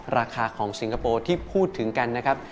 ราคาของสิงคโปร์ที่พูดถึงกันนะครับ